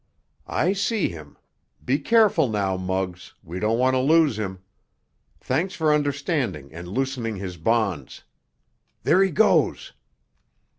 "I see him. Be careful now, Muggs; we don't want to lose him. Thanks for understanding and loosening his bonds. There he goes!"